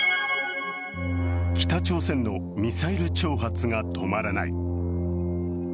北朝鮮のミサイル挑発が止まらない。